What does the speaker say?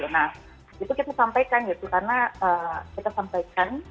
nah itu kita sampaikan gitu karena kita sampaikan